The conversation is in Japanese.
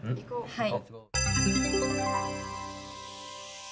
はい。